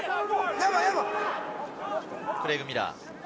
クレイグ・ミラー。